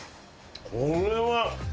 これは。